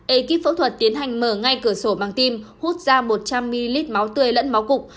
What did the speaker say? ekip phẫu thuật tiến hành mở ngay cửa sổ bằng tim hút ra một trăm linh ml máu tươi lẫn máu cục